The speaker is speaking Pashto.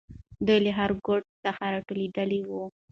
دوی له هر ګوټ څخه راټولېدلې وو.